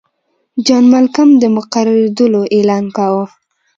جان مالکم د مقررېدلو اعلان کاوه.